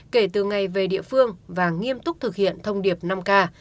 kể từ ngày về địa phương và nghiêm túc thực hiện thông điệp năm k